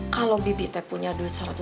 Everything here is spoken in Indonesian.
kalau bibitek punya duit seratus